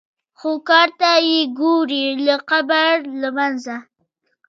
خو کار ته یې ګورې د قبر له منځه.